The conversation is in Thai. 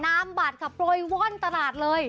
นามบัตรค่ะโปรยว่อนตลาดเลย